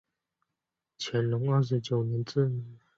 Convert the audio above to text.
乾隆二十九年置。